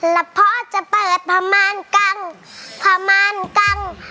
แล้วพ่อจะไปประมาณกังพมานกัง